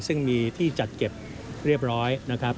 ซึ่งมีที่จัดเก็บเรียบร้อยนะครับ